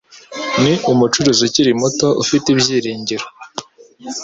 Ni umucuruzi ukiri muto ufite ibyiringiro.